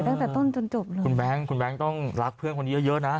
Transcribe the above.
ตั้งแต่ต้นจนจบเลยคุณแบงค์คุณแบงค์ต้องรักเพื่อนคนนี้เยอะเยอะนะ